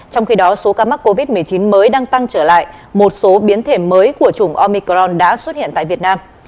trong khi đó số ca mắc covid một mươi chín mới đang tăng trở lại một số biến thể mới của chủng omicron đã xuất hiện tại việt nam